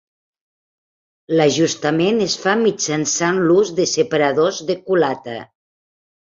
L'ajustament es fa mitjançant l'ús de separadors de culata.